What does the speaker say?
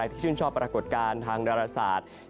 ใครที่ชื่นชอบปรากฏการณ์ทางดารสาท